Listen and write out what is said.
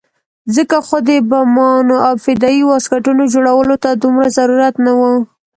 ځکه خو د بمانو او فدايي واسکټونو جوړولو ته دومره ضرورت نه وو.